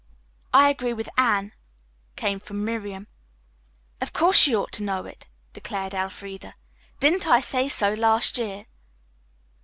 "I agree with Anne," came from Miriam. "Of course she ought to know it," declared Elfreda. "Didn't I say so last year?"